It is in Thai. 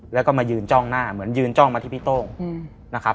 แล้วก็มายืนจ้องหน้าเหมือนยืนจ้องมาที่พี่โต้งนะครับ